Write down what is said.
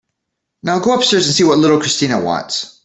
Now go upstairs and see what little Christina wants.